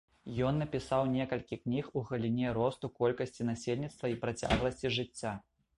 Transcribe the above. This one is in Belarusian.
Ён напісаў некалькі кніг у галіне росту колькасці насельніцтва і працягласці жыцця.